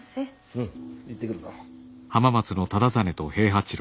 うん行ってくるぞ。